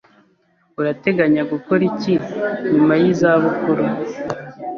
Urateganya gukora iki nyuma yizabukuru?